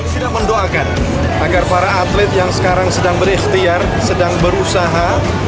tidak mendoakan agar para atlet yang sekarang sedang berikhtiar sedang berusaha